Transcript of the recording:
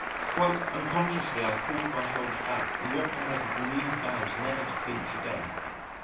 Quite unconsciously I pulled my shoulders back and walked ahead with renewed vows never to flinch again.